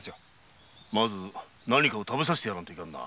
まず何か食べさせてやらんとな。